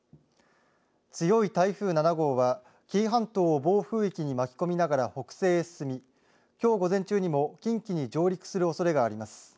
強い台風７号は紀伊半島を暴風域に巻き込みながら北西へ進み、きょう午前中にも近畿に上陸するおそれがあります。